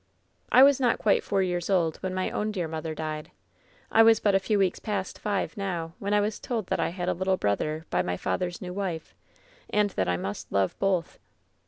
"I was not quite four years old when my own dear mother died. I was but a few weeks past five now when I was told that I had a little brother by my father^s new wife, and that I must love both.